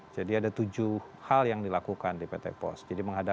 jadi ada tujuh hal yang dilakukan di pt post